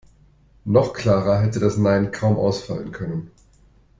Noch klarer hätte das Nein kaum ausfallen können.